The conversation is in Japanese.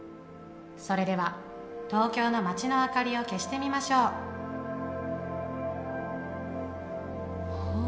それでは東京の街の明かりを消してみましょうおお